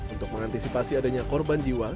untuk mengantisipasi adanya korban jiwa